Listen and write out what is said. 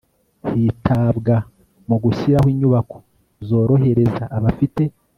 hitabwa mu gushyiraho inyubako zorohereza abafite